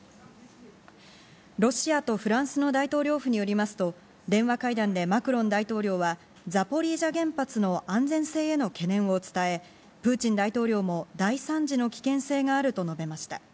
ロシアとフランスの大統領府によりますと、電話会談でマクロン大統領はザポリージャ原発の安全性への懸念を伝え、プーチン大統領も大惨事の危険性があると述べました。